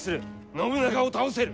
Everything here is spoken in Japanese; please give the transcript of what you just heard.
信長を倒せる！